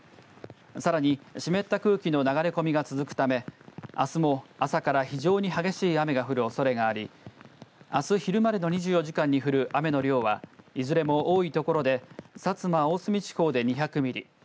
さらに湿った空気の流れ込みが続くためあすも朝から非常に激しい雨が降るおそれがありあす昼までの２４時間に降る雨の量はいずれも多いところで薩摩、大隅地方で２００ミリ。